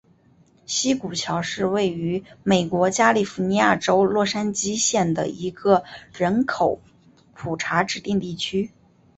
西谷桥是位于美国加利福尼亚州洛杉矶县的一个人口普查指定地区。